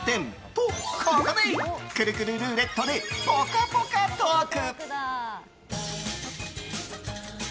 とここで、くるくるルーレットでぽかぽかトーク！